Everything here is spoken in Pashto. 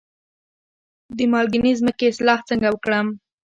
د مالګینې ځمکې اصلاح څنګه وکړم؟